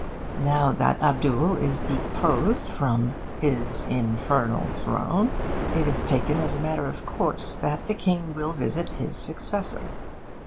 Now that Abdul is deposed from 'his infernal throne,' it is taken as a matter of course that the King will visit his successor.